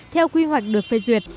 theo quy hoạch được phê duyệt